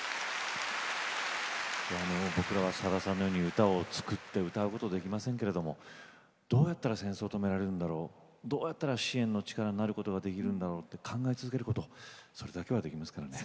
僕らはさださんのように歌を作って歌うことできませんけれどもどうやったら戦争を止められるんだろうどうやったら支援の力になることができるんだろうって考え続けることそれだけはできますからね。